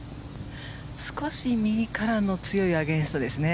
少し右からの強いアゲンストですね。